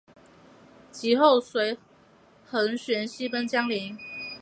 及后随桓玄西奔江陵。